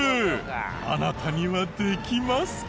あなたにはできますか？